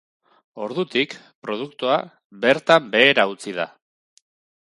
Ordutik, produktua, bertan behera utzi da.